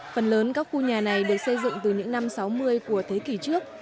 phần lớn các khu nhà này được xây dựng từ những năm sáu mươi của thế kỷ trước